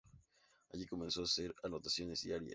Allí comenzó a hacer anotaciones diarias.